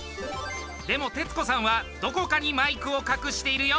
でも、徹子さんはどこかにマイクを隠しているよ！